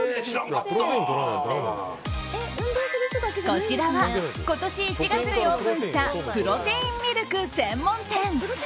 こちらは今年１月にオープンしたプロテインミルク専門店。